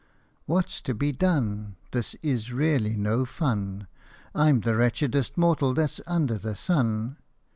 " What 's to be done ? This is really no fun : I 'm the wretchedest mortal that 's under the sun.